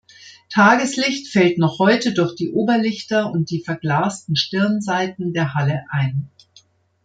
Tageslicht fällt noch heute durch die Oberlichter und die verglasten Stirnseiten der Halle ein.